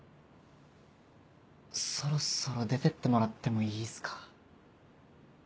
そろそろ出てってもらってもいいっすか？